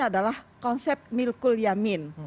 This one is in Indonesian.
adalah konsep milkul yamin